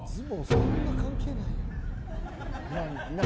そんな関係ないやん。